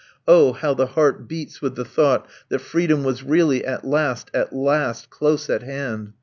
Oh, how the heart beats with the thought that freedom was really, at last, at last, close at hand.